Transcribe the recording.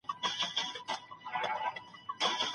املا د شخصیت جوړولو کي رول لري.